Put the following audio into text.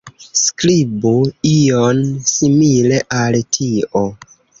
Skribu ion simile al tio